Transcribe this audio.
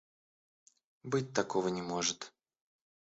Быть такого не может!